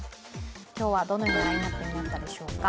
今日はどのようなラインナップになったでしょうか。